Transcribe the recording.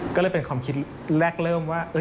ก็เลยเป็นความคิดแรกเริ่มว่า